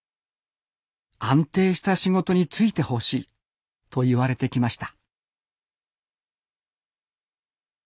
安定した仕事に就いてほしい」と言われてきました